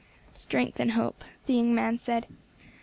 "Strength and hope," the young man said.